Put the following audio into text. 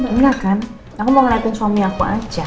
enak kan aku mau ngeliatin suami aku aja